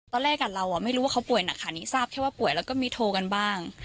ตอนแรกเราไม่รู้ว่าเขาป่วยหนักขนาดนี้ทราบแค่ว่าป่วยแล้วก็มีโทรกันบ้าง